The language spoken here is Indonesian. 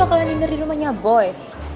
lo bakalan diener di rumahnya boy